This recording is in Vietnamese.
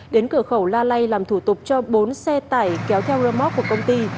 đến cửa khẩu la lây làm thủ tục cho bốn xe tải kéo theo rơ móc của công ty